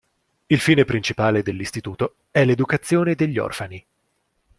Il fine principale dell'istituto è l'educazione degli orfani.